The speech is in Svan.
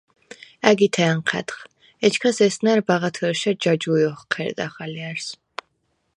ა̈გითე ანჴა̈დხ, ეჩქას ესნა̈რ ბაღათჷრშა ჯაჯუ̄ჲ ოხჴერდახ ალჲა̈რს.